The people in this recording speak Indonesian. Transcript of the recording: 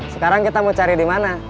sekarang kita mau cari dimana